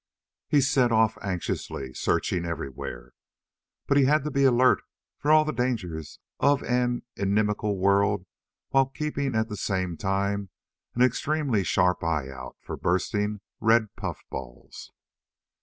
He set off anxiously, searching everywhere. But he had to be alert for all the dangers of an inimical world while keeping, at the same time, an extremely sharp eye out for bursting red puffballs.